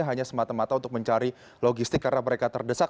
hanya semata mata untuk mencari logistik karena mereka terdesak